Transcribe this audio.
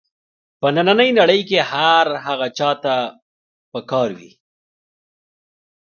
په نننۍ نړۍ کې هر هغه چا ته په کار وي.